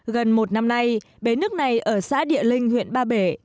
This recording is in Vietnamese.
gần một năm nay bế nước này ở xã địa linh huyện ba bể